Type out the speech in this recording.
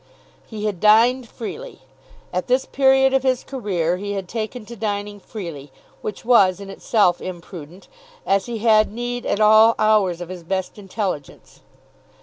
He had dined freely. At this period of his career he had taken to dining freely, which was in itself imprudent, as he had need at all hours of his best intelligence.